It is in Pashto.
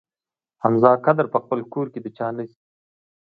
حمزه قدر په خپل کور کې د چا نه شي.